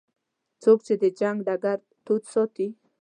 څوک چې د جنګ ډګر تود ساتي.